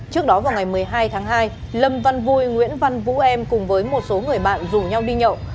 trước đó vào ngày một mươi hai tháng hai lâm văn vui nguyễn văn vũ em cùng với một số người bạn rủ nhau đi nhậu